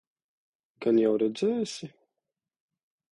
Gan jau redzēsi?